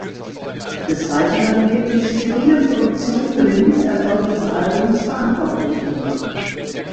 Des Weiteren wird die sterile Produktion für den Misserfolg des Albums verantwortlich gemacht.